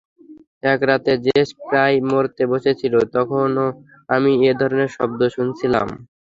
এক রাতে জেস প্রায় মরতে বসেছিল, তখনও আমি এ ধরনের শব্দ শুনেছিলাম।